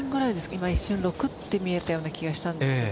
今一瞬６と見えたような気がしたんですけど。